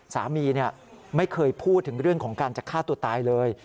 สามีไม่เคยพูดถึงเรื่องของการจะฆ่าตัวตายเลย